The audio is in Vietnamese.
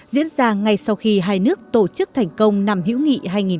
diễn ra ngay sau khi hai nước tổ chức thành công năm hữu nghị hai nghìn một mươi chín